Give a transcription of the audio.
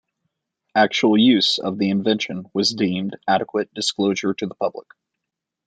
Actual use of the invention was deemed adequate disclosure to the public.